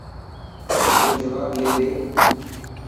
تون جواب لي ڏي.